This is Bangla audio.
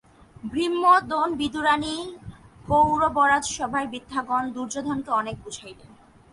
ভীষ্ম, দ্রোণ, বিদুরাদি কৌরবরাজসভার বৃদ্ধগণ দুর্যোধনকে অনেক বুঝাইলেন।